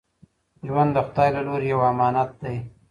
ژوند د خدای له لوري یو امانت دی.